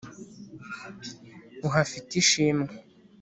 uhafite ishimwe.